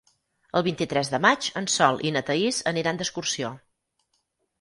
El vint-i-tres de maig en Sol i na Thaís aniran d'excursió.